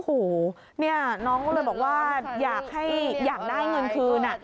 โอ้โหเนี่ยน้องก็เลยบอกว่าอยากได้เงินคืน